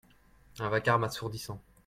Un vacarme assourdissant.